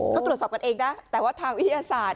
ก็ตรวจสอบกันเองนะแต่ว่าทางวิทยาศาสตร์